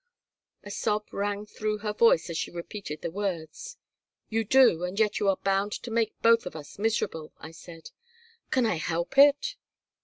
A sob rang through her voice as she repeated the words. "You do, and yet you are bound to make both of us miserable," I said "Can I help it?"